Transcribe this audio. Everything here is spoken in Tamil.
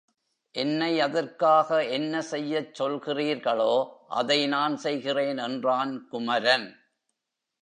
என்னை அதற்காக என்ன செய்யச் சொல்கிறீர்களோ, அதை நான் செய்கிறேன் என்றான் குமரன்.